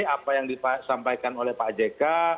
apa yang disampaikan oleh pak jk